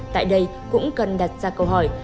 tại đây cũng cần đặt ra câu hỏi